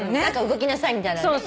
何か動きなさいみたいなね。